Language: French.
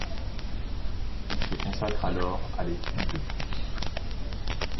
Il se consacre alors à l’étude de Proust.